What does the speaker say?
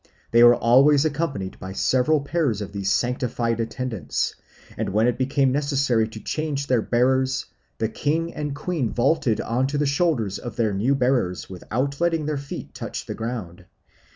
They were always accompanied by several pairs of these sanctified attendants; and when it became necessary to change their bearers, the king and queen vaulted on to the shoulders of their new bearers without letting their feet touch the ground.